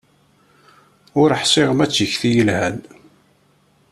Ur ḥṣiɣ ma d tikti yelhan.